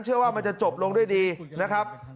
เชื่อว่ามันจะจบลงด้วยดีนะครับ